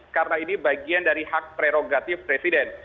karena ini bagian dari hak prerogatif presiden